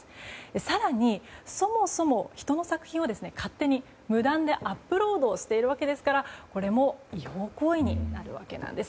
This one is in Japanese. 更に、そもそも人の作品を勝手に無断でアップロードしているわけですからこれも違法行為になるわけなんです。